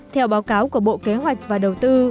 theo báo cáo của bộ kế hoạch và đầu tư